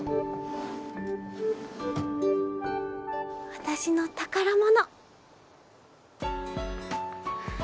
私の宝物。